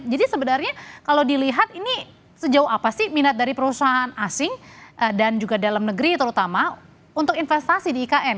jadi sebenarnya kalau dilihat ini sejauh apa sih minat dari perusahaan asing dan juga dalam negeri terutama untuk investasi di ikn